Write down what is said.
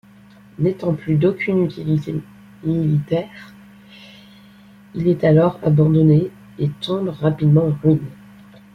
N'étant plus d'aucune utilité militaire, il est alors abandonné et tombe rapidement en ruines.